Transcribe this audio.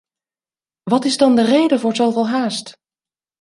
Wat is dan de reden voor zoveel haast?